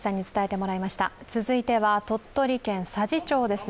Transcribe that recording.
続いては鳥取県佐治町ですね。